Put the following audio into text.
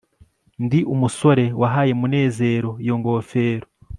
ndi umusore wahaye munezero iyo ngofero